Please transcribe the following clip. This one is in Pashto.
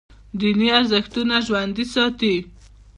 دیني ارزښتونه ژوندي ساتي.